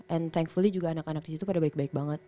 and thankfully juga anak anak di situ pada baik baik banget